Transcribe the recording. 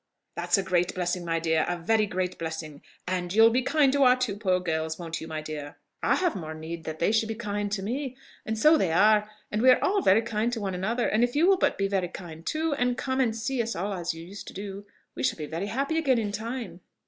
"That's a great blessing, my dear, a very great blessing!... And you'll be kind to our two poor girls, won't you, my dear?" "I have more need that they should be kind to me and so they are, and we are all very kind to one another; and if you will be but very kind too, and come and see us all as you used to do, we shall be very happy again in time."